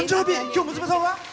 今日、娘さんは？